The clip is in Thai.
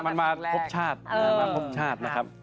มันมาพบชาตินะครับ